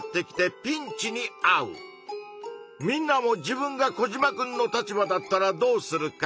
みんなも自分がコジマくんの立場だったらどうするか？